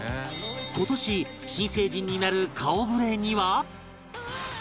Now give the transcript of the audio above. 今年新成人になる顔ぶれには